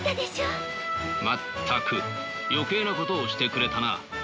全く余計なことをしてくれたな。